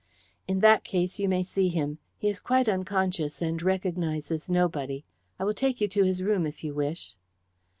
"In that case you may see him. He is quite unconscious, and recognizes nobody. I will take you to his room, if you wish."